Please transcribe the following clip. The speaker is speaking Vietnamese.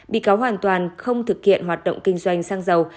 bị cáo hoàn toàn không thực hiện hoạt động kinh doanh sang giàu